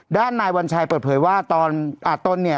ด้านนายวัญชัยเปิดเผยว่าตอน